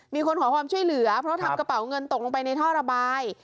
มีคนขอความช่วยเหลือเพราะทำกระเป๋าเงินตกลงไปในท่อระบาย